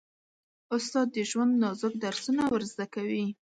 استاد د ژوند نازک درسونه ور زده کوي.